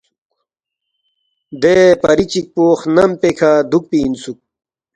دے پری چِکپو خنم پیکھہ دُوکپی اِنسُوک